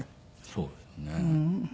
そうですね。